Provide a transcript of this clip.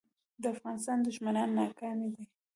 د افغانستان دښمنان ناکام دي